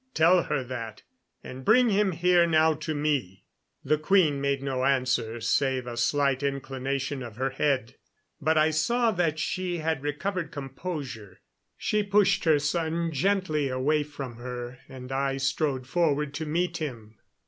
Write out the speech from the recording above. Tell her that, and bring him here now to me." The queen made no answer, save a slight inclination of her head. But I saw that she had recovered composure. She pushed her son gently away from her, and I strode forward to meet him.